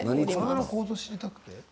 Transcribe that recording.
体の構造を知りたくて？